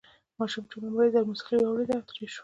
ماشوم چې لومړی ځل موسیقي واورېده اوتر شو